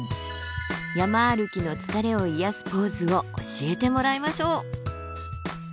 山歩きの疲れを癒やすポーズを教えてもらいましょう。